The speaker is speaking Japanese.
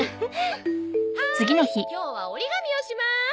はーい今日は折り紙をします。